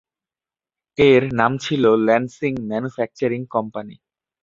এর নাম ছিল ল্যান্সিং ম্যানুফ্যাকচারিং কোম্পানি।